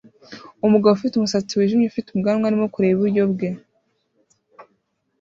Umugabo ufite umusatsi wijimye ufite ubwanwa arimo kureba iburyo bwe